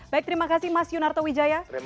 baik terima kasih mas yunarto wijaya